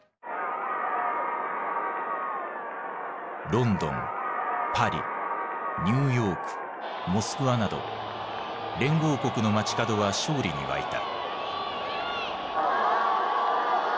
ロンドンパリニューヨークモスクワなど連合国の街角は勝利に沸いた。